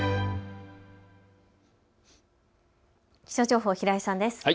気象情報、平井さんです。